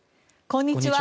こんにちは。